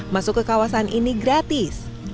masuk ke kawasan ini gratis